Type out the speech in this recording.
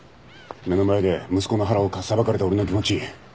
目の前で息子の腹をかっさばかれた俺の気持ち。